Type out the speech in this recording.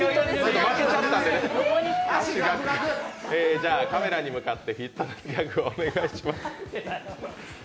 じゃあ、カメラに向かってフィットネスギャグをお願いします。